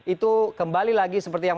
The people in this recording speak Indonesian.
itu kembali lagi seperti yang